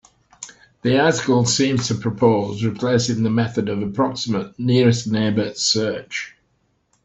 The article seems to propose replacing the method of approximate nearest neighbor search.